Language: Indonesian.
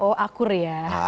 oh akur ya